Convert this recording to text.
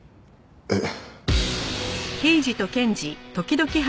えっ。